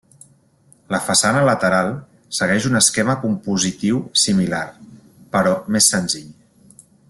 La façana lateral segueix un esquema compositiu similar, però més senzill.